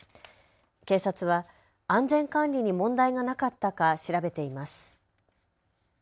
警察は安全管理に問題がなかったか調べています。